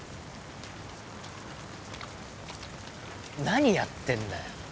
何やってんだよ